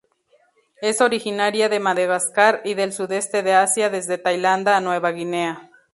Es originaria de Madagascar y del sudeste de Asia desde Tailandia a Nueva Guinea.